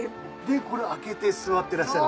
開けて座ってらっしゃる？